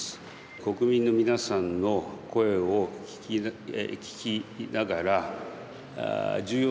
国民の皆さんの声を聞きながら重要